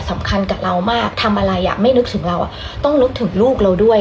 สำคัญกับเรามากทำอะไรอ่ะไม่นึกถึงเราต้องนึกถึงลูกเราด้วย